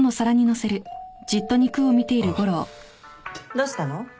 どうしたの？